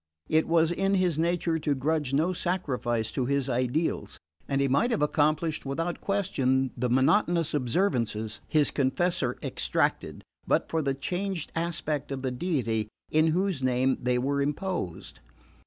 It was in his nature to grudge no sacrifice to his ideals, and he might have accomplished without question the monotonous observances his confessor exacted, but for the changed aspect of the Deity in whose name they were imposed.